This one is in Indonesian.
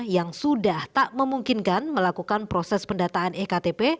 yang sudah tak memungkinkan melakukan proses pendataan ektp